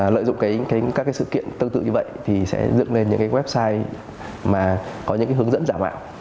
lợi dụng các sự kiện tương tự như vậy thì sẽ dựng lên những website mà có những hướng dẫn giả mạo